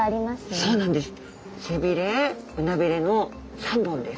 そうなんです。